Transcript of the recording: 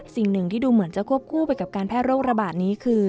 สิ่งหนึ่งที่ดูเหมือนจะควบคู่ไปกับการแพร่โรคระบาดนี้คือ